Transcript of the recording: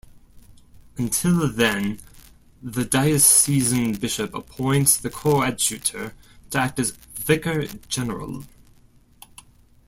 Until then, the diocesan bishop appoints the coadjutor to act as vicar general.